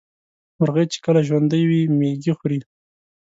مرغۍ چې کله ژوندۍ وي مېږي خوري.